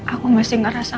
aku masih ngerasa